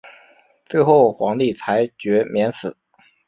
最后皇帝裁决免死。